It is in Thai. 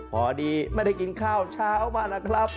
พอดีไม่ได้กินข้าวเช้ามานะครับ